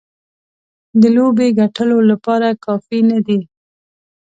د لوبې ګټلو لپاره کافي نه دي.